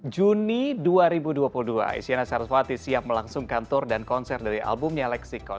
juni dua ribu dua puluh dua isyana saraswati siap melangsung kantor dan konser dari albumnya lexicon